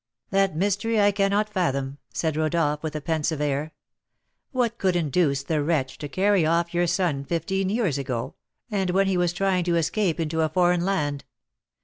"That mystery I cannot fathom," said Rodolph, with a pensive air. "What could induce the wretch to carry off your son fifteen years ago, and when he was trying to escape into a foreign land?